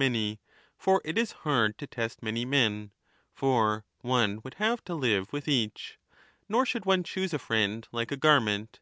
1237^ ETHICA EUDEMIA 35 many, for it is hard to test many men, for one would have to live with each. Nor should one choose a friend like a garment.